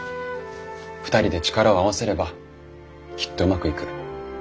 ２人で力を合わせればきっとうまくいく。